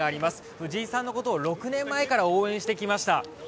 藤井さんのことを６年前から応援してきました。